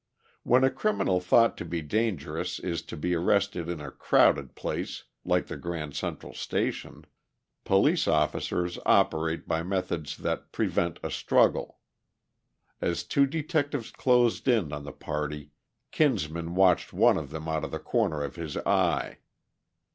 When a criminal thought to be dangerous is to be arrested in a crowded place like the Grand Central Station, police officers operate by methods that prevent a struggle. As two detectives closed in on the party, Kinsman watched one of them out of the corner of his eye.